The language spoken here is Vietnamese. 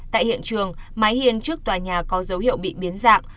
tại hiện trường mái hiền trước tòa nhà có dấu hiệu bị biến dạng